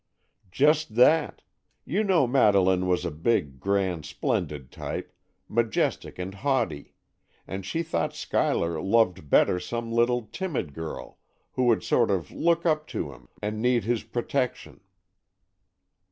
"Just that. You know Madeleine was a big, grand, splendid type,—majestic and haughty; and she thought Schuyler loved better some little, timid girl, who would sort of look up to him, and need his protection."